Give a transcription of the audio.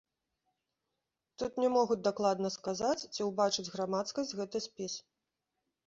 Тут не могуць дакладна сказаць, ці ўбачыць грамадскасць гэты спіс.